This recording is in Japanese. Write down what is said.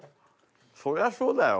そりゃそうだよ。